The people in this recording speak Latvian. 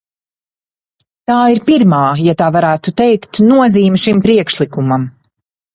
Tā ir pirmā, ja tā varētu teikt, nozīme šim priekšlikumam.